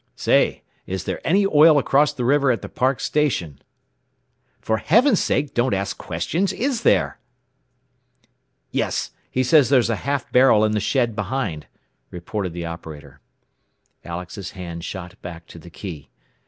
"Say, is there any oil across the river at the Park station? "For Heavens sake, don't ask questions! Is there?" "Yes; he says there's a half barrel in the shed behind," reported the operator. Alex's hand shot back to the key.